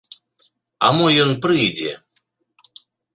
А мо ён прыйдзе?